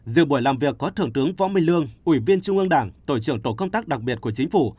dự buổi làm việc có thượng tướng phó minh lương ủy viên trung ương đảng tổ trưởng tổ công tác đặc biệt của chính phủ